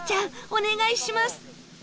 お願いします